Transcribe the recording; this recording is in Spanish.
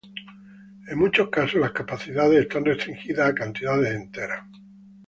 En muchos casos, las capacidades están restringidas a cantidades enteras.